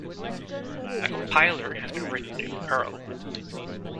A compiler has been written in Perl.